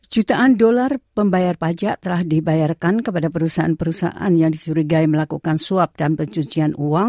jutaan dolar pembayar pajak telah dibayarkan kepada perusahaan perusahaan yang disurigai melakukan suap dan pencucian uang